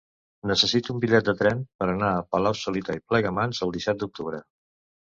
Necessito un bitllet de tren per anar a Palau-solità i Plegamans el disset d'octubre.